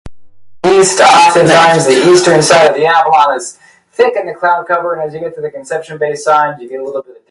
The movement is in F major and sonata form.